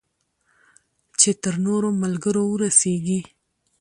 چې تر نورو ملګرو ورسیږي.